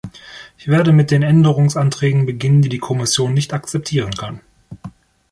Ich werde mit den Änderungsanträgen beginnen, die die Kommission nicht akzeptieren kann.